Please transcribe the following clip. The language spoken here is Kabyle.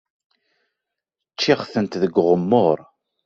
Ččiɣ-tent deg uɣemmur.